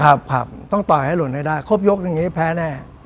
ครับครับต้องต่อยให้หลุดให้ได้ครบยกอย่างนี้แพ้แน่